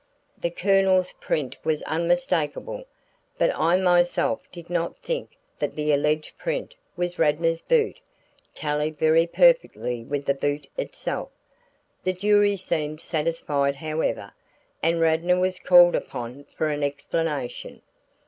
The Colonel's print was unmistakable, but I myself did not think that the alleged print of Radnor's boot tallied very perfectly with the boot itself. The jury seemed satisfied however, and Radnor was called upon for an explanation.